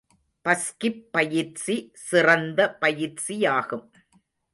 பஸ்கிப் பயிற்சி சிறந்த பயிற்சியாகும்.